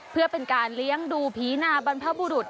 เพื่อเป็นการเลี้ยงดูผีนาบรรพบุรุษ